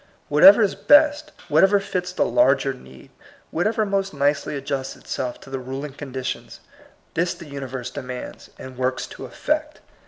Whatever is best, whatever fits the larger need, whatever most nicely adjusts itself to the ruling condi tions, this the universe demands, and works to effect.